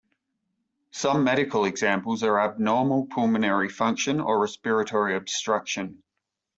Some medical examples are abnormal pulmonary function or respiratory obstruction.